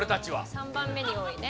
３番目に多いね。